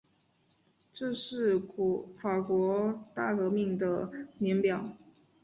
这是法国大革命的年表